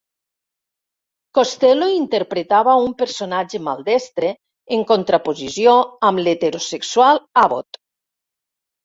Costello interpretava un personatge maldestre, en contraposició amb l'heterosexual Abbott.